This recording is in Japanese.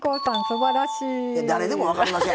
すばらしい。